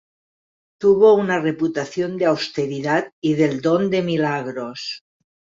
Tuvo una reputación de austeridad y del don de milagros.